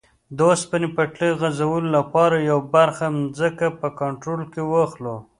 د اوسپنې پټلۍ غځولو لپاره یوه برخه ځمکه په کنټرول کې واخلو.